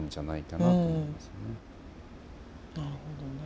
なるほどね。